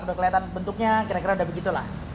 udah kelihatan bentuknya kira kira udah begitu lah